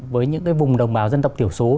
với những cái vùng đồng bào dân tộc thiểu số